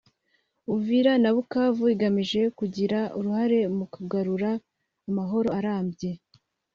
Uvira na Bukavu igamije kugira uruhare mu kagarura amahoro arambye